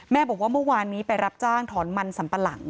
บอกว่าเมื่อวานนี้ไปรับจ้างถอนมันสัมปะหลัง